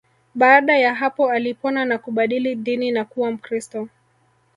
Baada ya hapo alipona na kubadili dini na kuwa Mkristo